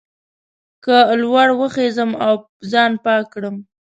که لوړ وخېژم او ځان پاک کړم.